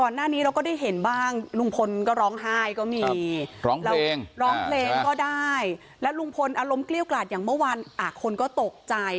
หน้านี้เราก็ได้เห็นบ้างลุงพลก็ร้องไห้ก็มีร้องเพลงร้องเพลงก็ได้และลุงพลอารมณ์เกลี้ยวกลาดอย่างเมื่อวานคนก็ตกใจ